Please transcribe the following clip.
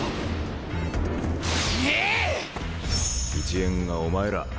一円がお前ら。